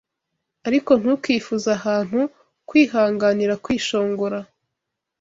Ariko ntukifuze Ahantu kwihanganira kwishongora